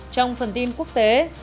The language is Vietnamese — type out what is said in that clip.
trong phần tin quốc tế